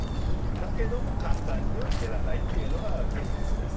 だけども簡単には減らないっていうのが現実です。